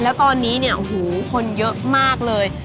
แล้วตอนนี้เนี่ยโอ้โหคนเยอะมากเลย